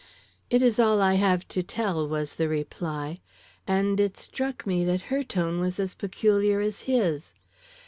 "It is all I have to tell," was the reply; and it struck me that her tone was as peculiar as his.